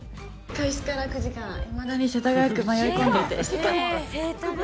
開始から９時間、いまだに世田谷区、迷い込んでて。